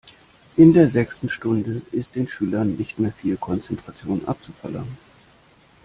In der sechsten Stunde ist den Schülern nicht mehr viel Konzentration abzuverlangen.